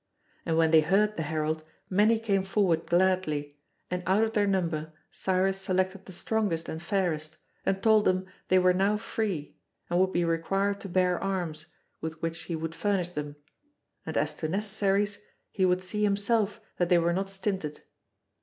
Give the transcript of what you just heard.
And when they heard the herald, many came forward gladly, and out of their number Cyrus selected the strongest and fairest, and told them they were now free, and would be required to bear arms, with which he would furnish them, and as to necessaries, he would see himself that they were not stinted.